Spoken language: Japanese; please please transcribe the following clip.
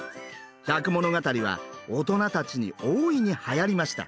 「百物語」は大人たちに大いにはやりました。